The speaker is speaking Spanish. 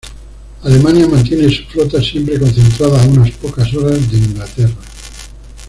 Alemania mantiene su flota siempre concentrada a unas pocas horas de Inglaterra.